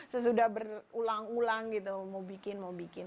sesudah berulang ulang gitu mau bikin mau bikin